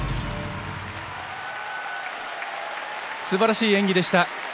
すばらしい演技でした。